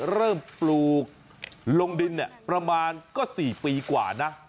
เริ่มปลูกลงดินแหละประมาณก็๔ปีกว่านะ